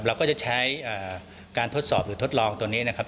เราก็จะใช้การทดสอบหรือทดลองตัวนี้นะครับ